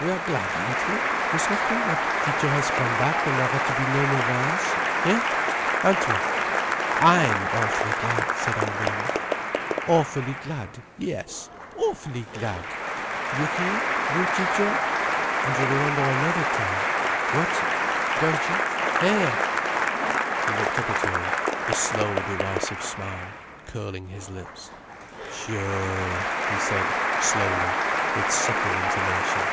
We are glad, aren't we, Miss Houghton, that Ciccio has come back and there are to be no more rows?—hein?—aren't we?" "I'm awfully glad," said Alvina. "Awfully glad—yes—awfully glad! You hear, you Ciccio. And you remember another time. What? Don't you? Hé?" He looked up at her, the slow, derisive smile curling his lips. "Sure," he said slowly, with subtle intonation.